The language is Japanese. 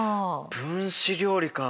分子料理か。